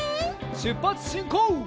しゅっぱつしんこう！